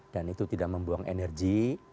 dan itu tidak membuang energi